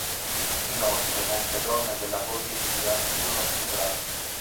Inoltre molte donne della borghesia furono stuprate.